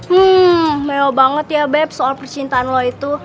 hmm mewah banget ya beb soal percintaan lo itu